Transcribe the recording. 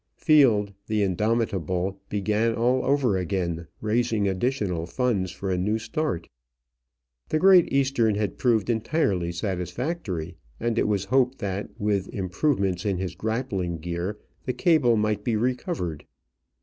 Field, the indomitable, began all over again, raising additional funds for a new start. The Great Eastern had proved entirely satisfactory, and it was hoped that with improvements in the grappling gear the cable might be recovered.